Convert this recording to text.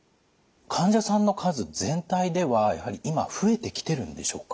患者さんの数全体ではやはり今増えてきてるんでしょうか？